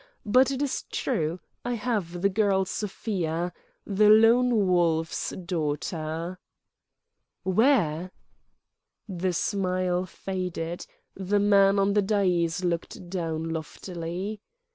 But it is true: I have the girl Sofia—the Lone Wolf's daughter." "Where?" The smile faded; the man on the dais looked down loftily.